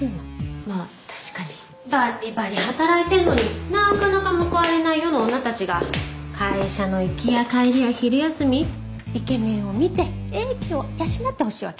まあ確かに。ばっりばり働いてんのになかなか報われない世の女たちが会社の行きや帰りや昼休みイケメンを見て英気を養ってほしいわけ。